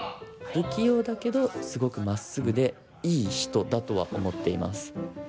不器用だけどすごくまっすぐでいい人だとは思っています。